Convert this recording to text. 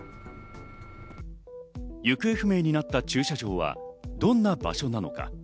行方不明になった駐車場はどんな場所なのか。